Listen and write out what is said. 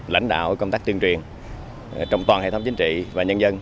lãnh đạo công tác tuyên truyền trong toàn hệ thống chính trị và nhân dân